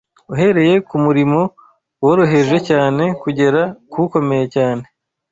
uhereye ku murimo woroheje cyane kugera ku ukomeye cyane